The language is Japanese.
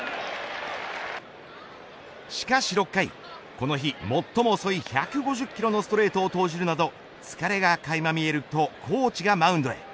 しかし、６回この日最も遅い１５０キロのストレートを投じるなど疲れがかいま見えるとコーチがマウンドへ。